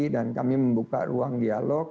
dan kami membuka ruang dialog